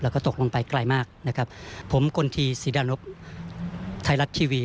แล้วก็ตกลงไปไกลมากนะครับผมกลทีศรีดานพไทยรัฐทีวี